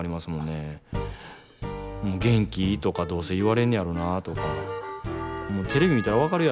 元気？とかどうせ言われんねやろなとか。